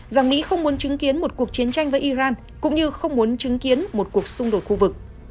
rằng mỹ không muốn chứng kiến một cuộc chiến tranh với iran cũng như không muốn chứng kiến một cuộc xung đột khu vực